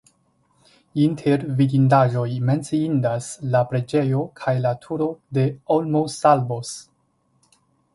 Inter vidindaĵoj menciindas la preĝejo kaj la turo de Olmosalbos.